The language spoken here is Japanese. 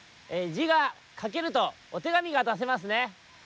じがかけるとお手紙がだせますね。